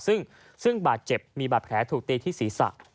ซึ่งบาดเจ็บมีบาดแผลถูกตีที่ศีรษะ